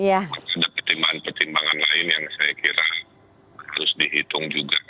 harus ada pertimbangan pertimbangan lain yang saya kira harus dihitung juga